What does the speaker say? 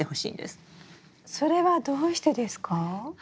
それはどうしてですか？